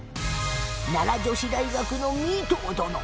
奈良女子大学の三藤殿。